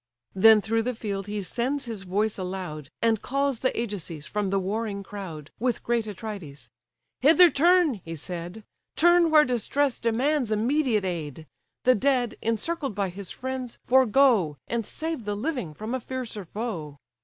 Then through the field he sends his voice aloud, And calls the Ajaces from the warring crowd, With great Atrides. "Hither turn, (he said,) Turn where distress demands immediate aid; The dead, encircled by his friends, forego, And save the living from a fiercer foe.